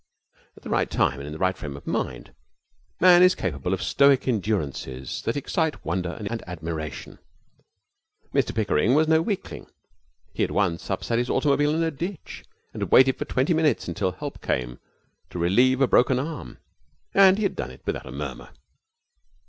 At the right time and in the right frame of mind man is capable of stoic endurances that excite wonder and admiration. Mr Pickering was no weakling. He had once upset his automobile in a ditch, and had waited for twenty minutes until help came to relieve a broken arm, and he had done it without a murmur.